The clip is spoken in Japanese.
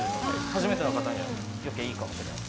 初めての方にはいいかもしれません。